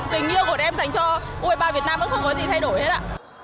tình yêu của bọn em dành cho u hai mươi ba việt nam vẫn không có gì thay đổi hết ạ